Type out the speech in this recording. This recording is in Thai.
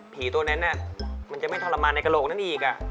ตัวนั้นมันจะไม่ทรมานในกระโหลกนั้นอีก